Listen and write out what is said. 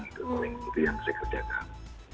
itu paling itu yang saya kerjakan